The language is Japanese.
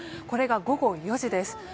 これが午後４時です。